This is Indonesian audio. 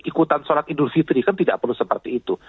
ikutan sholat idul fitri kan tidak perlu seperti itu